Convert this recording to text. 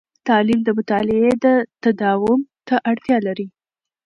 تعلیم د مطالعې تداوم ته اړتیا لري.